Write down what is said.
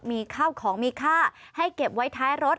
มีข้าวของมีค่าให้เก็บไว้ท้ายรถ